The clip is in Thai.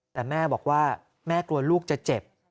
แต่แม่บอกว่าแม่กลัวลูกจะเจ็บ